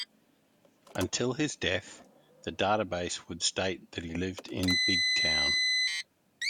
Until his death, the database would state that he lived in Bigtown.